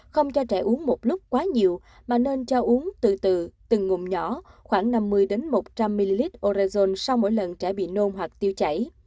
không cho trẻ uống một lúc quá nhiều mà nên cho uống tự từ từ từng ngùm nhỏ khoảng năm mươi một trăm linh ml oregon sau mỗi lần trẻ bị nôn hoặc tiêu chảy